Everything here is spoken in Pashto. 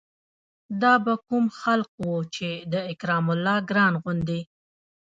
دا به کوم خلق وو چې د اکرام الله ګران غوندې